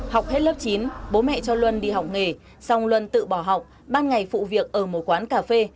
học hết lớp chín bố mẹ cho luân đi học nghề xong luân tự bỏ học ban ngày phụ việc ở một quán cà phê